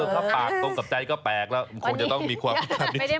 ถ้าปากตรงกับใจก็แปลกแล้วมันคงจะต้องมีความพิการเฉย